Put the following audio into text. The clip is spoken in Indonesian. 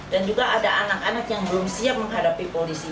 dan juga ada anak anak yang belum siap menghadapi polisi